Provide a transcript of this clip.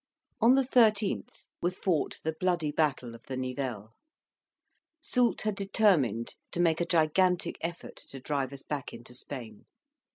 On the 13th was fought the bloody battle of the Nivelle. Soult had determined to make a gigantic effort to drive us back into Spain.